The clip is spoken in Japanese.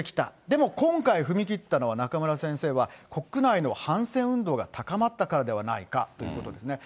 でも今回踏み切ったのは、中村先生は、国内の反戦運動が高まったからではないかということですね。